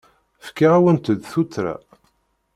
Fkiɣ-awent-d tuttra.